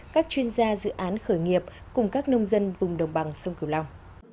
các chuyên gia dự án khởi nghiệp cùng các nông dân vùng đồng bằng sông cửu long